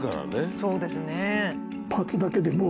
そうですね。